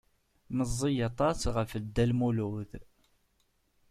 Meẓẓiy aṭas ɣef Dda Lmulud.